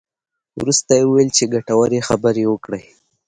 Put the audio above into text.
وروسته یې وویل چې ګټورې خبرې وکړې.